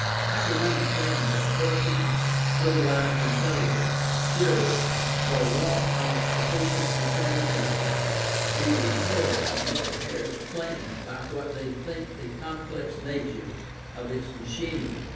I can understand that persons, otherwise intelligent, should, for want of sufficient examination, be repelled from Mr. Hare's plan by what they think the complex nature of its machinery.